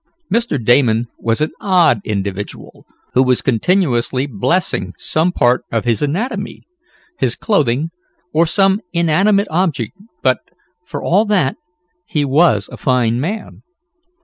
Mr. Damon was an odd individual, who was continuously blessing some part of his anatomy, his clothing or some inanimate object but, for all that, he was a fine man.